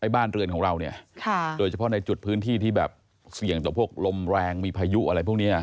บ้านเรือนของเราเนี่ยโดยเฉพาะในจุดพื้นที่ที่แบบเสี่ยงต่อพวกลมแรงมีพายุอะไรพวกนี้